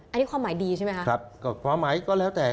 อันนี้ความหมายดีใช่ไหมคะครับก็ความหมายก็แล้วแต่